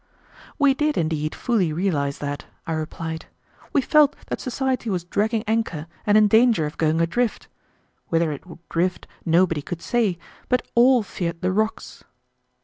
"We did, indeed, fully realize that," I replied. "We felt that society was dragging anchor and in danger of going adrift. Whither it would drift nobody could say, but all feared the rocks."